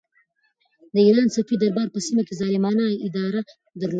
د ایران صفوي دربار په سیمه کې ظالمانه اداره درلوده.